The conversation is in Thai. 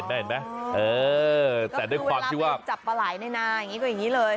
ก็คือเวลาไปจับปลาไหล่ในหน้าอย่างนี้ก็อย่างนี้เลย